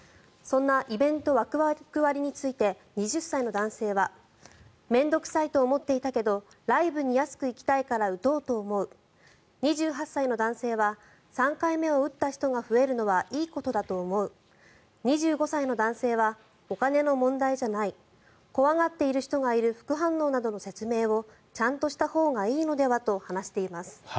そんなイベントワクワク割について２０歳の男性は面倒臭いと思っていたけどライブに安く行きたいから打とうと思う２８歳の男性は３回目を打った人が増えるのはいいことだと思う２５歳の男性はお金の問題じゃない怖がっている人がいる副反応などの説明をちゃんとしたほうがいいのではと話しています。